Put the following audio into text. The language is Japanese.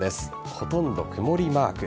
ほとんど曇りマーク。